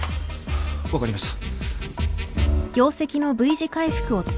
分かりました